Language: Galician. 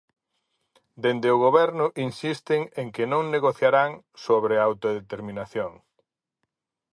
Dende o Goberno insisten en que non negociarán sobre autodeterminación.